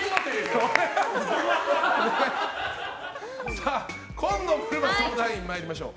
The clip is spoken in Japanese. さあ、紺野ぶるま相談員参りましょう。